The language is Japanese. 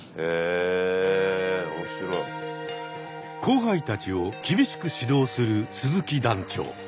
後輩たちを厳しく指導する鈴木団長。